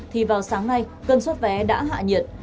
thì vào sáng nay cơn suất vé đã hạ nhiệt